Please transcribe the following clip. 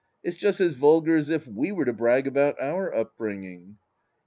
It's just as vulgar as if fee were to brag about our upbringing.